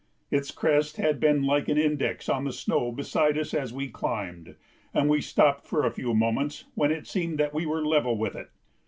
Its crest had been like an index on the snow beside us as we climbed, and we stopped for a few moments when it seemed that we were level with it.